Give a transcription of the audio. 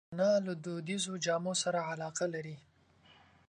انا له دودیزو جامو سره علاقه لري